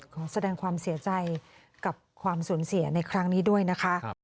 ขอแสดงความเสียใจกับความสูญเสียในครั้งนี้ด้วยนะคะ